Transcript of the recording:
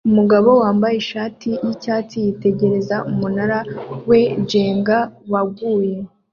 Umugabo wambaye ishati yicyatsi yitegereza umunara we Jenga waguye